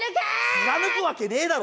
貫くわけねえだろ。